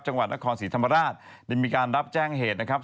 จังหวัดนครศรีธรรมราชได้มีการรับแจ้งเหตุนะครับ